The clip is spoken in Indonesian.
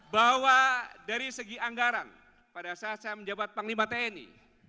bahwa dari segi anggaran pada saat saya menjabat panglima tni